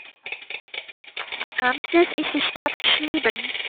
Amtssitz ist die Stadt Schlieben.